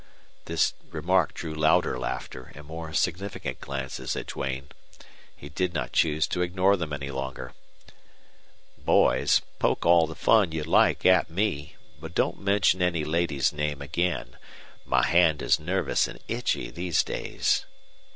This remark drew louder laughter and more significant glances at Duane. He did not choose to ignore them any longer. "Boys, poke all the fun you like at me, but don't mention any lady's name again. My hand is nervous and itchy these days."